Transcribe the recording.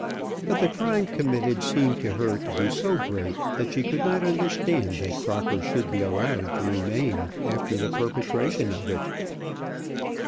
But the crime committed seemed to her to be so great that she could not understand that Crocker should be allowed to remain after the perpetration of it.